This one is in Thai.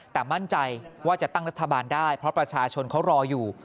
แต่มั่นใจว่าจะตั้งรัฐบาลได้เพราะประชาชนเขารออยู่